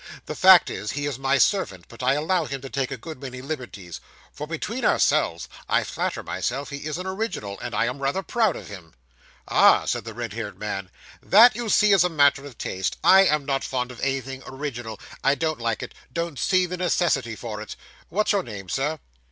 'The fact is, he is my servant, but I allow him to take a good many liberties; for, between ourselves, I flatter myself he is an original, and I am rather proud of him.' 'Ah,' said the red haired man, 'that, you see, is a matter of taste. I am not fond of anything original; I don't like it; don't see the necessity for it. What's your name, sir?